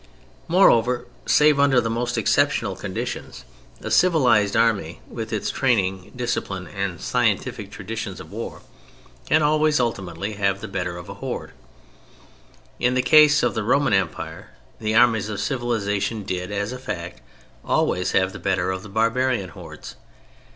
Moreover, save under the most exceptional conditions, a civilized army with its training, discipline and scientific traditions of war, can always ultimately have the better of a horde. In the case of the Roman Empire the armies of civilization did, as a fact, always have the better of the barbarian hordes.